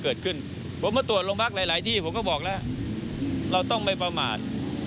เกิดขึ้นผมมาตรวจโรงพักหลายหลายที่ผมก็บอกแล้วเราต้องไม่ประมาท